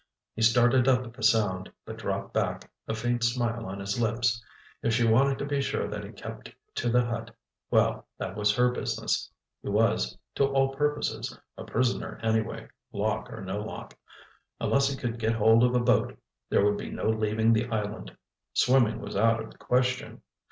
He started up at the sound, but dropped back, a faint smile on his lips. If she wanted to be sure that he kept to the hut—well, that was her business. He was, to all purposes, a prisoner anyway, lock or no lock. Unless he could get hold of a boat, there would be no leaving the island. Swimming was out of the question.